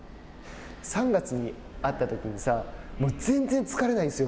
３月に会ったときに全然疲れないんですよ